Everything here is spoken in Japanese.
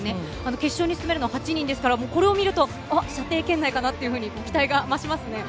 決勝に進めるのは８人ですから射程圏内かなと期待が増しますね。